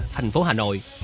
thành phố hà nội